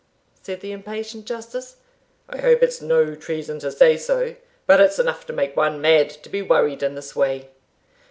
_" said the impatient Justice "I hope it's no treason to say so; but it's enough to made one mad to be worried in this way.